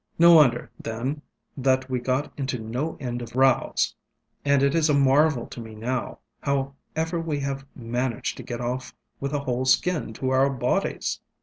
No wonder, then, that we got into no end of rows, and it is a marvel to me now, how ever we have managed to get off with a whole skin to our bodies.